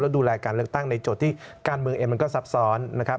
ดูแลการเลือกตั้งในโจทย์ที่การเมืองเองมันก็ซับซ้อนนะครับ